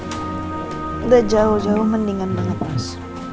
sudah jauh jauh mendingan banget mas